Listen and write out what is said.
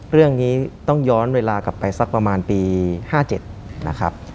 เรื่องนี้ต้องย้อนเวลากลับไปสักประมาณปี๕๗นะครับ